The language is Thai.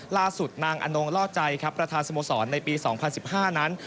ล่าสุดนางอนงล่อใจครับประธานสโมสรในปี๒๐๑๕นั้น